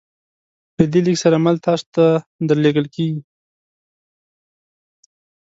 له دې لیک سره مل تاسو ته درلیږل کیږي